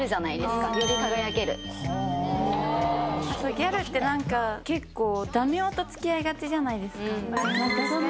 ギャルってダメ男と付き合いがちじゃないですか。